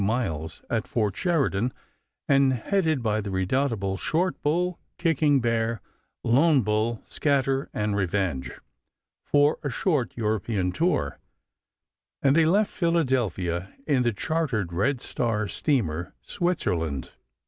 Miles at Fort Sheridan, and headed by the redoubtable Short Bull, Kicking Bear, Lone Bull, Scatter, and Revenge for a short European tour, and they left Philadelphia in the chartered Red Star steamer Switzerland.